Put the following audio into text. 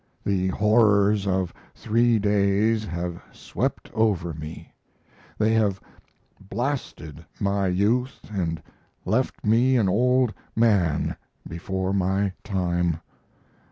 The horrors of three days have swept over me they have blasted my youth and left me an old man before my time.